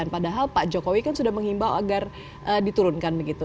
padahal pak jokowi kan sudah menghimbau agar diturunkan begitu